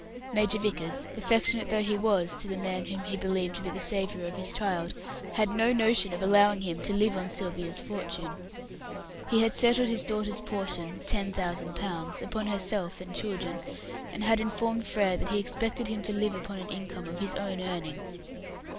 Major Vickers, affectionate though he was to the man whom he believed to be the saviour of his child, had no notion of allowing him to live on Sylvia's fortune. He had settled his daughter's portion ten thousand pounds upon herself and children, and had informed Frere that he expected him to live upon an income of his own earning.